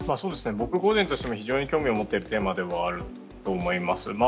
僕個人としても非常に興味を持っているテーマだと思います。